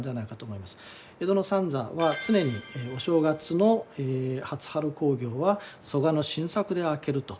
江戸の三座は常にお正月の初春興行は曽我の新作で明けると。